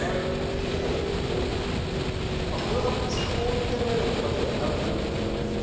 メロンをあっこれは別に凍ってるメロンとかではなく。ですね。